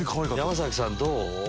山さんどう？